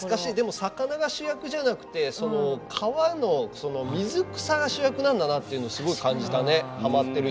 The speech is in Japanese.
魚が主役じゃなくて川の水草が主役なんだなっていうのをすごく感じたよね。